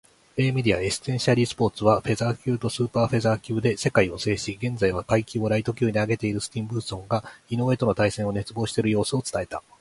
米メディア「エッセンシャリースポーツ」は、フェザー級とスーパーフェザー級で世界を制し、現在は階級をライト級に上げているスティーブンソンが井上との対戦を熱望している様子を伝えた。